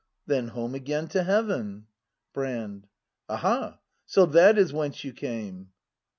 Then home again to heaven, — Brand. Aha! so that is whence you came?